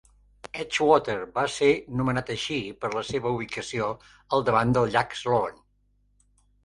Edgewater va ser nomenat així per la seva ubicació al davant del llac Sloan.